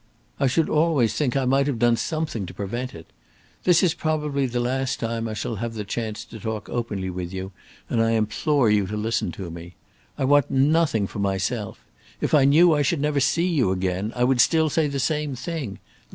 I should always think I might have done something to prevent it. This is probably the last time I shall have the chance to talk openly with you, and I implore you to listen to me. I want nothing for myself If I knew I should never see you again, I would still say the same thing.